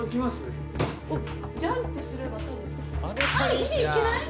ジャンプすればたぶん。